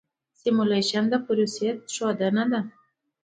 سیمولیشن د پروسې ښودنه ده.